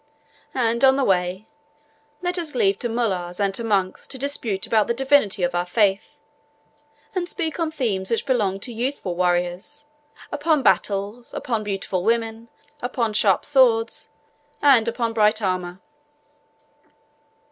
And, on the way, let us leave to mollahs and to monks to dispute about the divinity of our faith, and speak on themes which belong to youthful warriors upon battles, upon beautiful women, upon sharp swords, and upon bright armour."